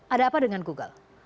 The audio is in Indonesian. ada apa dengan google